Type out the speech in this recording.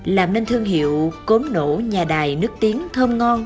làm nên thương hiệu cốm nổ nhà đài nước tiếng thơm ngon